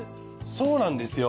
そうなんですよ。